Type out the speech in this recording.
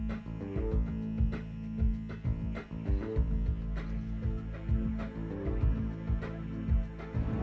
aku seorang jelajah